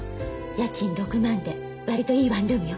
家賃６万で割といいワンルームよ。